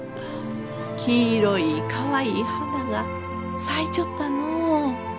黄色いかわいい花が咲いちょったのう。